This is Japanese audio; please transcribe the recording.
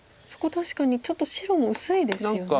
そこ確かにちょっと白も薄いですよね。